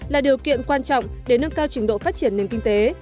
là điều kiện quan trọng để nâng cao trình độ phát triển nền kinh tế